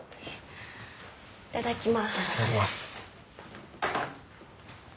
いただきます。